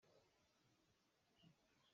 Hmaiah nor hna usih!